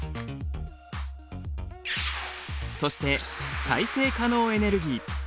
そして再生可能エネルギー。